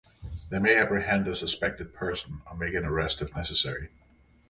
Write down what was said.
They may apprehend a suspected person or make an arrest if necessary.